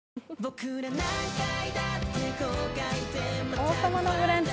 「王様のブランチ」